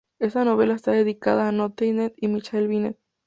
Esta novela está dedicada a Antoinette y Michel Binet.